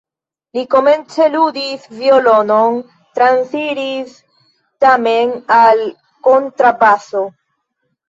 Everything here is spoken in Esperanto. Li komence ludis violonon, transiris tamen al kontrabaso.